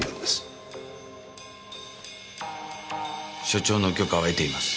署長の許可を得ています。